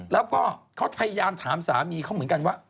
แล้วก็เขาพยายามถามสามีเขาเหมือนกันว่า